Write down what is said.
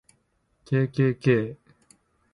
kkk